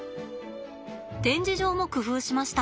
展示場も工夫しました。